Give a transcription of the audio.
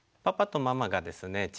パパとママがですね